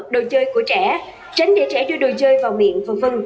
đồ chơi của trẻ tránh để trẻ đưa đồ chơi vào miệng v v